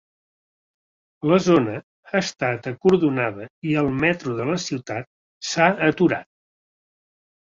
La zona ha estat acordonada i el metro de la ciutat s’ha aturat.